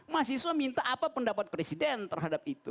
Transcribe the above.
mahasiswa minta apa pendapat presiden terhadap itu